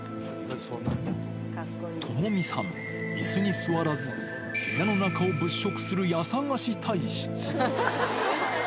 友美さん、いすに座らず、家の中を物色する家探し体質。